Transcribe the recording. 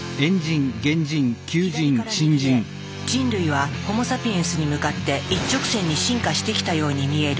左から右へ人類はホモ・サピエンスに向かって一直線に進化してきたように見える。